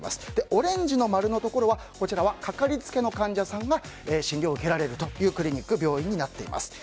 オレンジの丸のところはかかりつけの患者さんが診療を受けられる病院となっています。